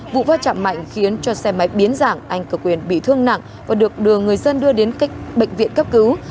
vụ va chạm mạnh khiến cho xe máy biến dạng anh cực quyền bị thương nặng và được đưa người dân đưa đến bệnh viện cấp cứu